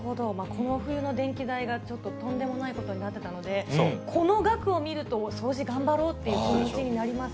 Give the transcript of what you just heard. この冬の電気代が、ちょっととんでもないことになってたので、この額を見ると掃除頑張ろうという気持ちになります。